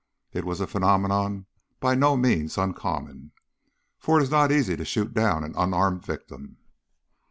It was a phenomenon by no means uncommon, for it is not easy to shoot down an unarmed victim.